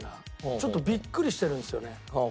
ちょっとビックリしてるんですよね。